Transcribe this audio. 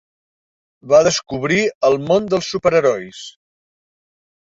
Va descobrir el món dels superherois.